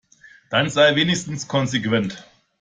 Dann sei wenigstens konsequent.